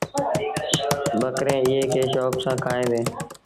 ٻڪريݩ ايئي کي شوڪ سآݩ کائيٚݩ ديٚݩ۔